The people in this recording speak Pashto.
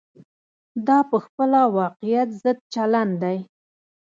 دا په خپله واقعیت ضد چلن دی.